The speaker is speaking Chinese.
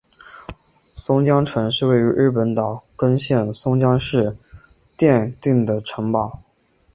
松江城是位于日本岛根县松江市殿町的城堡。